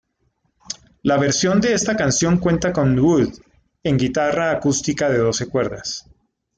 La versión de esta canción cuenta con Wood en guitarra acústica de doce cuerdas.